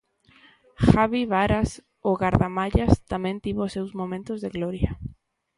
Javi Varas, o gardamallas, tamén tivo os seus momentos de gloria.